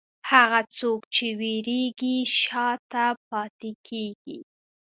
هغه څوک چې وېرېږي، شا ته پاتې کېږي.